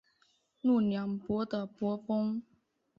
若两波的波峰。